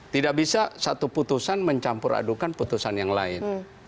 tidak bisa satu putusan mencampur adukan putusan yang lain